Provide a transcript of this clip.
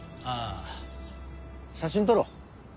ああ写真撮ろう。